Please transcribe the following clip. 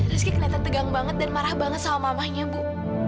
rizky kelihatan tegang banget dan marah banget sama mamahnya bu